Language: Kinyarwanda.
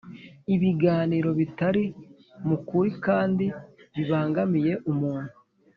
Ibiganiro bitari mu kuri kandi bibangamiye umuntu